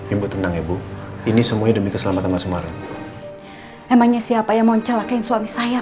ibu tenang ibu ini semuanya demi keselamatan sumarno emangnya siapa yang mencelakai suami saya